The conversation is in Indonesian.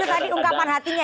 itu tadi ungkapan hatinya